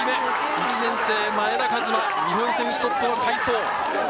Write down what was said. １年生・前田和摩、日本選手トップの快走。